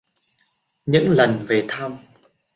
Những lần về thăm